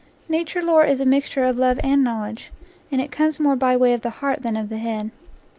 Nature lore is a mixture of love and knowledge, and it comes more by way of the heart than of the head.